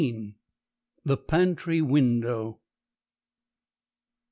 THE PANTRY WINDOW.